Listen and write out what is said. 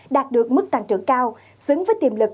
đạt được mức tăng trưởng cao xứng với tiềm lực